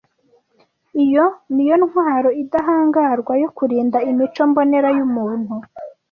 Iyo ni yo ntwaro idahangarwa yo kurinda imico mbonera y’umuntu